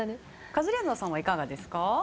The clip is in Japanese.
カズレーザーさんはいかがですか？